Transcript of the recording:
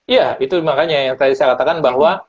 iya itu makanya yang tadi saya katakan bahwa